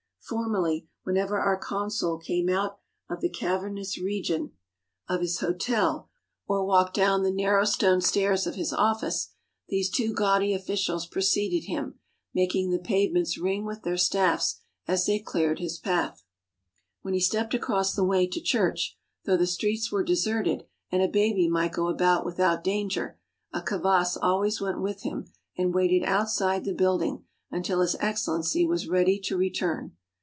Formerly, whenever our consul came out of the cavernous region 61 THE HOLY LAND AND SYRIA of his hotel or walked down the narrow stone stairs of his office, these two gaudy officials preceded him, making the pavements ring with their staffs as they cleared his path. When he stepped across the way to church, though the streets were deserted and a baby might go about without danger, a kavass always went with him and waited outside the building until His Excellency was ready to return.